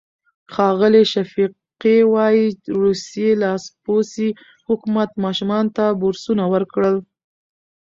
ښاغلی شفیقي وايي، روسي لاسپوڅي حکومت ماشومانو ته بورسونه ورکړل.